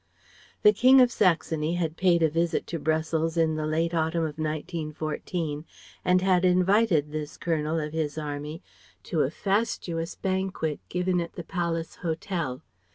The King of Saxony had paid a visit to Brussels in the late autumn of 1914 and had invited this Colonel of his Army to a fastuous banquet given at the Palace Hotel.